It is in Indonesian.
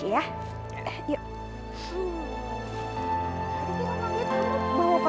tadi kita lagi bawa permen